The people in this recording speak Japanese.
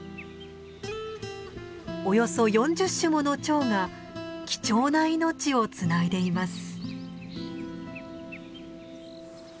およそ４０種ものチョウが貴重な命をつないでいます。